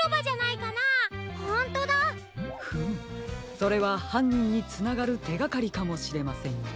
それははんにんにつながるてがかりかもしれませんよ。